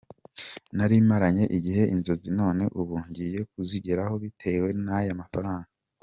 Nari maranye igihe inzozi none ubu ngiye kuzigeraho bitewe n’aya mafaranga.